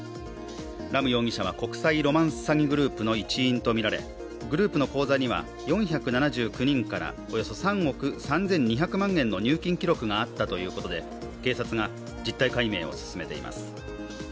ラム容疑者は国際ロマンス詐欺グループの一員とみられ、グループの口座には４７９人からおよそ３億３２００万円の入金記録があったということで警察が実態解明を進めています。